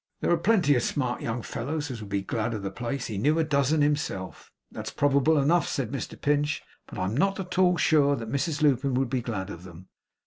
There were plenty of smart young fellows as would be glad of the place. He knew a dozen himself. 'That's probable enough,' said Mr Pinch, 'but I am not at all sure that Mrs Lupin would be glad of them.